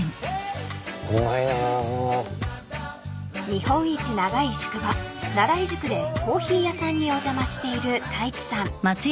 ［日本一長い宿場奈良井宿でコーヒー屋さんにお邪魔している太一さん］